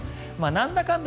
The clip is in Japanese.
なんだかんだ